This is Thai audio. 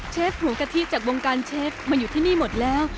หัวกะทิจากวงการเชฟมาอยู่ที่นี่หมดแล้ว